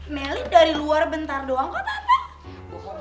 melin dari luar bentar doang kok tante